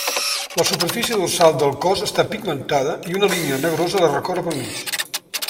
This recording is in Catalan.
La superfície dorsal del cos està pigmentada i una línia negrosa la recorre pel mig.